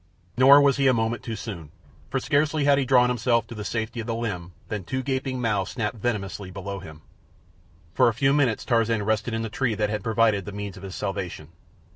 Nor was he a moment too soon, for scarcely had he drawn himself to the safety of the limb than two gaping mouths snapped venomously below him. For a few minutes Tarzan rested in the tree that had proved the means of his salvation.